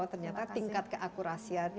ternyata tingkat keakurasian